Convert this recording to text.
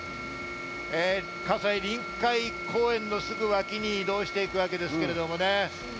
葛西臨海公園のすぐ脇に移動していくわけですけどね。